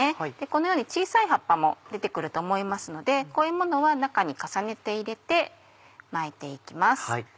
このように小さい葉っぱも出て来ると思いますのでこういうものは中に重ねて入れて巻いて行きます。